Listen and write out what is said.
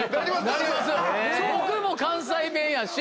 僕も関西弁やし。